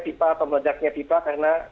pipa atau meledaknya pipa karena